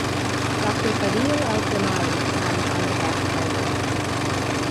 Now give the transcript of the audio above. Doctor Fadhil Al-Jamali signed on behalf of Iraq.